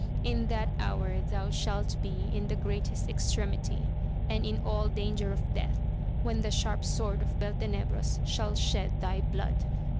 In that hour thou shalt be in the greatest extremity, and in all danger of death, when the sharp sword of Beltenebros shall shed thy blood.